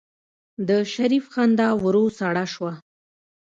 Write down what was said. د شريف خندا ورو سړه شوه.